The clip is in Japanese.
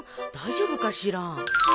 大丈夫かしら。